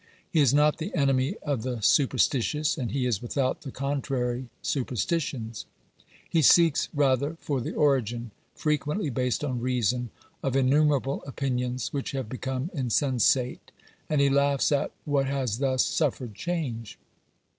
He is not the enemy of the superstitious, and he is without the contrary superstitions. He seeks rather for the origin, frequently based on reason, of innumerable opinions which have become insensate, and he laughs at what has thus suffered change.